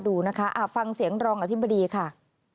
ดูนะคะฟังเสียงรองอธิบดีค่ะ